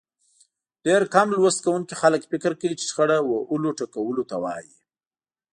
ډېری کم لوست کوونکي خلک فکر کوي چې شخړه وهلو ټکولو ته وايي.